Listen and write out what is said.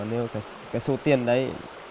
nếu cái số tiền đấy